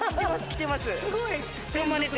きてます